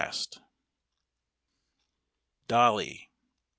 ] DOLLY.